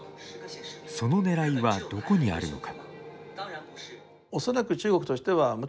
そのねらいはどこにあるのか。